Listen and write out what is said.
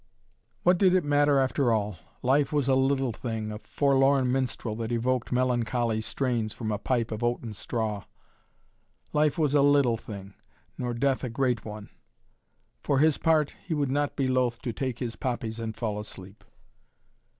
What did it matter after all? Life was a little thing, a forlorn minstrel that evoked melancholy strains from a pipe of oaten straw. Life was a little thing, nor death a great one. For his part he would not be loth to take his poppies and fall asleep.